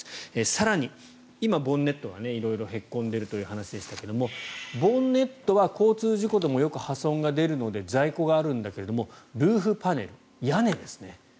更に、今、ボンネットが色々へこんでいるという話でしたがボンネットは交通事故でもよく破損が出るので在庫があるんだけどルーフパネル、屋根ですね。